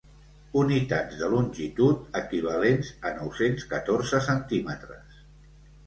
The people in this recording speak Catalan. Unitats de longitud equivalents a nou-cents catorze centímetres.